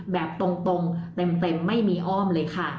แบบตรงเต็มไม่มีอ้อมเลยค่ะ